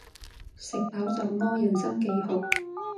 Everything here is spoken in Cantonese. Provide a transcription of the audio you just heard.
食飽就屙，人生幾何